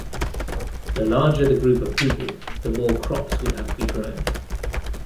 The larger the group of people, the more crops would have to be grown.